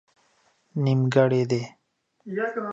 نيمګړئ دي